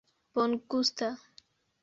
bongusta